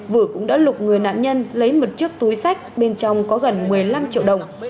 vự cũng đã lục người nạn nhân lấy một chiếc túi sách bên trong có gần một mươi năm triệu đồng